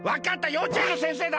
ようちえんの先生だ。